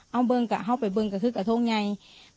เอาเบิ้งตัวไปเบิ้งก็จะเห็นกับท่องไง